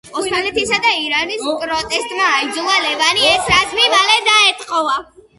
ოსმალეთისა და ირანის პროტესტმა აიძულა ლევანი ეს რაზმი მალე დაეთხოვა.